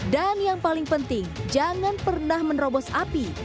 dan yang paling penting jangan pernah menerobos api